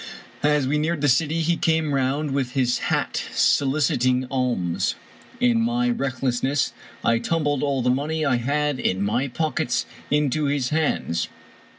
As we neared the city he came round with his hat soliciting alms. In my reckless ness, I tumbled all the money I had in my pockets into his hands.